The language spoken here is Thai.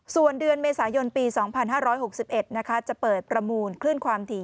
ส่วนเดือนเมษายนปี๒๕๖๑จะเปิดประมูลคลื่นความถี่